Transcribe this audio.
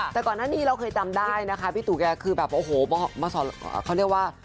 แต่ก่อนหน้านี้เราเคยจำได้นะคะพี่ตูแกคือแบบโอ้โหเขาเรียกว่า